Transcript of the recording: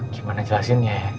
gimana jelasin ya